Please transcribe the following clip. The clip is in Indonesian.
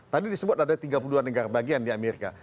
tadi disebut ada tiga puluh dua negara bagian di amerika